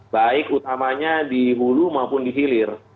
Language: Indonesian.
baik utamanya di hulu maupun di hilir